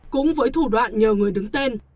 cũng với thủ đoạn nhờ người đứng tên